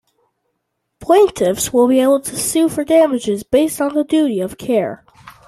Plaintiffs will be able to sue for damages based on the duty of care.